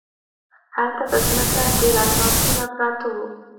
هلته په ځمکه ډیر الماسونه پراته وو.